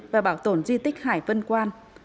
và bảo tồn di tích hải vân quan